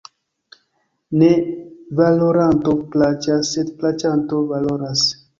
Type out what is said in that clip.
Ne valoranto plaĉas, sed plaĉanto valoras.